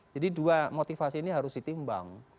jadi dua motivasi ini harus ditimbang